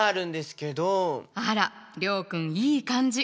あら諒君いい感じ。